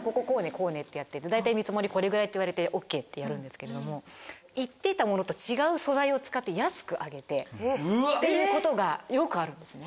こうねってやってって大体見積もりこれぐらいって言われてＯＫってやるんですけれども言っていたものと違う素材を使って安く上げてっていうことがよくあるんですね。